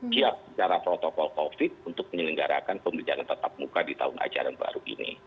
siap secara protokol covid untuk menyelenggarakan pembelajaran tetap muka di tahun ajaran baru ini